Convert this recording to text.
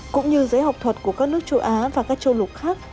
cũng như giới học thuật của các nước châu á và các châu lục khác